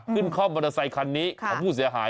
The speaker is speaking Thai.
ขึ้นเข้ามอเตอร์ไซค์คันนี้ของผู้เสียหาย